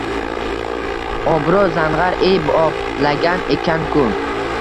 Obbo zang‘ar-ey, boplagan ekan-ku